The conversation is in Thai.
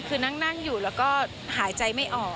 คือนั่งอยู่แล้วก็หายใจไม่ออก